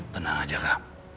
tenang aja kak